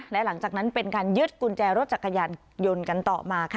และหลังจากนั้นเป็นการยึดกุญแจรถจักรยานยนต์กันต่อมาค่ะ